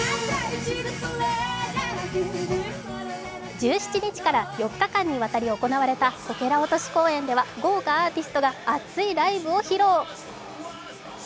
１７日から４日間にわたり行われたこけら落とし公演では豪華アーティストが熱いライブを披露。